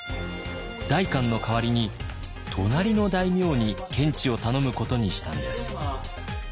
代官の代わりに隣の大名に検地を頼むことにしたんです。